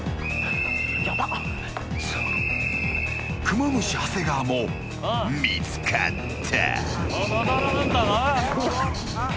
クマムシ、長谷川も見つかった。